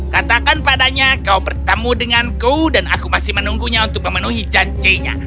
katakan padanya kau bertemu denganku dan aku masih menunggunya untuk memenuhi janjinya